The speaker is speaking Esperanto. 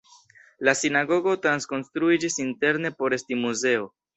La sinagogo trakonstruiĝis interne por esti muzeo.